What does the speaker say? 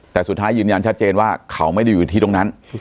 แต่สุดท้ายยืนยันชัดเจนว่าเขาไม่ได้อยู่ที่ตรงนั้น